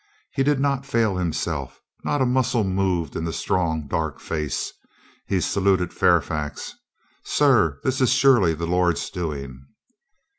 He did not fail him self. Not a muscle moved in the strong dark face. He saluted Fairfax. "Sir, this is surely the Lord's doing."